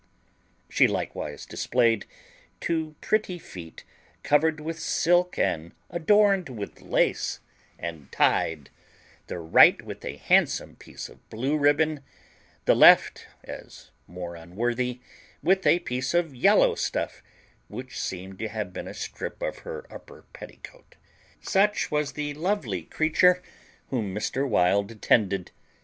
She likewise displayed two pretty feet covered with silk and adorned with lace, and tied, the right with a handsome piece of blue ribbon; the left, as more unworthy, with a piece of yellow stuff, which seemed to have been a strip of her upper petticoat. Such was the lovely creature whom Mr. Wild attended.